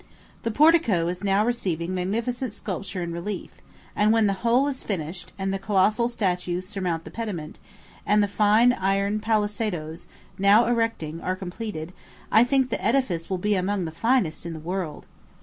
The portico is now receiving magnificent sculpture in relief; and when the whole is finished, and the colossal statues surmount the pediment, and the fine iron palisadoes, now erecting, are completed, I think the edifice will be among the finest in the world.